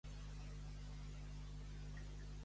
Amo i senyor.